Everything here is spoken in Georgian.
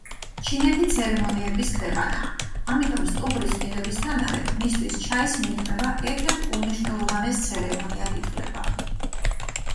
ჩინეთი ცერემონიების ქვეყანაა, ამიტომ, სტუმრის მიღებისთანავე მისთვის ჩაის მირთმევა ერთ-ერთ უმნიშვნელოვანეს ცერემონიად ითვლება.